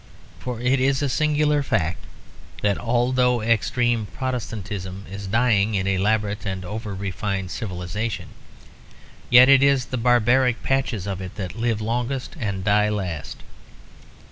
For it is a singular fact that although extreme Protestantism is dying in elaborate and over refined civilisation, yet it is the barbaric patches of it that live longest and die last.